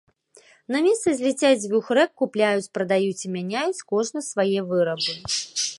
На месцы зліцця дзвюх рэк купляюць, прадаюць і мяняюць кожны свае вырабы.